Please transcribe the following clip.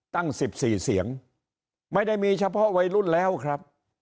ตั้ง๑๔เสียงไม่ได้มีเฉพาะวัยรุ่นแล้วครับ